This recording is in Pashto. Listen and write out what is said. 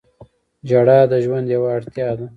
• ژړا د ژوند یوه اړتیا ده.